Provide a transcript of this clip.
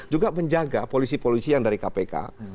juga menjaga polisi polisi yang dari kpk